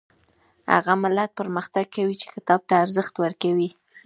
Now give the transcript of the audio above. هغه ملت پرمختګ کوي چې کتاب ته ارزښت ورکوي